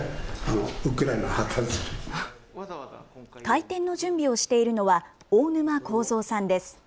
開店の準備をしているのは大沼孝三さんです。